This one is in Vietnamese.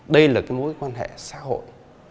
đây là cái mối quan hệ xã hội